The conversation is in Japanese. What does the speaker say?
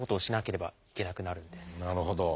なるほど。